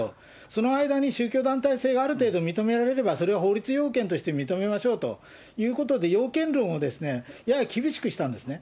その間に、宗教団体性がある程度、認められれば、それは法律要件として認めましょうということで、要件論をやや厳しくしたんですね。